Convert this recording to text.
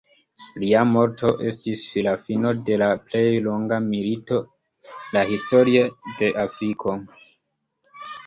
Lia morto estis la fino de la plej longa milito la historio de Afriko.